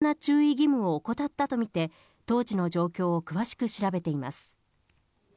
警察は、必要な注意義務を怠ったと見て、当時の状況を詳しく調べています。